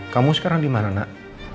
kamu sekarang dimana nak